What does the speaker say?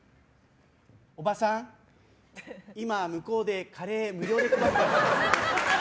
おばさん、今、向こうでカレー無料で配ってますよ。